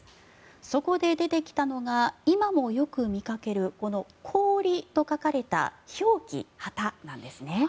そこで出てきたのが今もよく見かけるこの氷と書かれた氷旗旗なんですね。